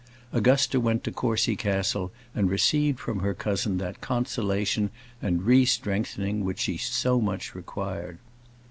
Augusta went to Courcy Castle, and received from her cousin that consolation and re strengthening which she so much required.